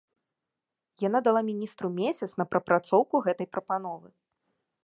Яна дала міністру месяц на прапрацоўку гэтай прапановы.